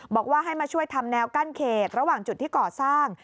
บอกว่าให้มาช่วยทำแนวกั้นเขตระหว่างจุดที่ก่อสร้าง